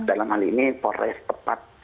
dalam hal ini polres tepat